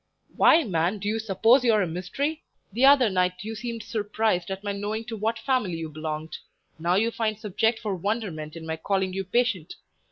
"Why, man, do you suppose you are a mystery? The other night you seemed surprised at my knowing to what family you belonged; now you find subject for wonderment in my calling you patient.